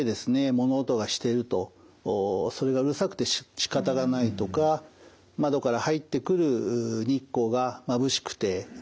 物音がしてるとそれがうるさくてしかたがないとか窓から入ってくる日光がまぶしくてつらい。